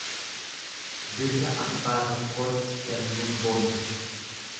Dirra abbaa tokkootti dalluun boonti.